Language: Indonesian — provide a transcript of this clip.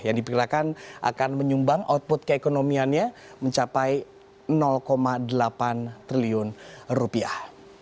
yang diperkirakan akan menyumbang output keekonomiannya mencapai delapan triliun rupiah